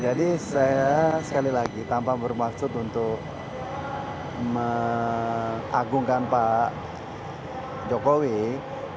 jadi saya sekali lagi tanpa bermaksud untuk mengagungkan pak jokowi ini bicara mengenai leadership keteguhan seorang memimpin harus